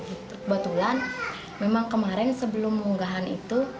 kebetulan memang kemarin sebelum unggahan itu